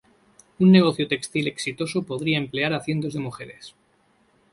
Un negocio textil exitoso podría emplear a cientos de mujeres.